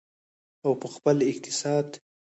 او په خپل اقتصاد.